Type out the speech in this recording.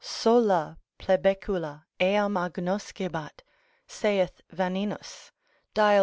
Sola plebecula eam agnoscebat (saith Vaninus, dial.